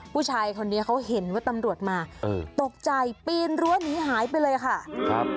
ผู้ชายคนนี้เขาเห็นว่าตำรวจมาเออตกใจปีนรั้วหนีหายไปเลยค่ะครับ